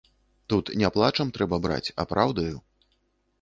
Тут не плачам трэба браць, а праўдаю.